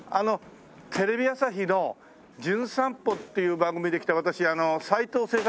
テレビ朝日の『じゅん散歩』っていう番組で来た私斉藤清作